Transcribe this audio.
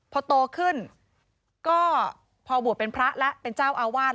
พอโตขึ้นก็พอบวชเป็นพระแล้วเป็นเจ้าอาวาส